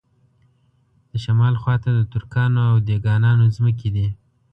د شمال خواته د ترکانو او دېګانانو ځمکې دي.